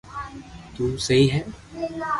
تو سھي ھي